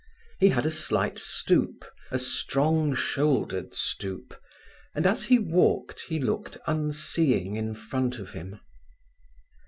He had a slight stoop, a strong shouldered stoop, and as he walked he looked unseeing in front of him.